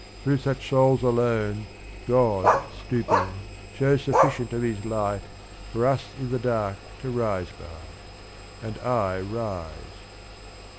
Through such souls alone God stooping shows sufficient of His light For us i' the dark to rise by. And I rise.